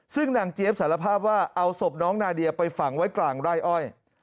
ซึ่งนางเจี๊ยบสารภาพว่าเอาศพน้องนาเดียไปฝังไว้กลางไร่อ้อย